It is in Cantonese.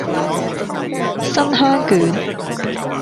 新香卷